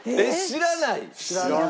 知らない。